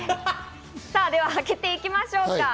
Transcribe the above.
では開けてきましょうか。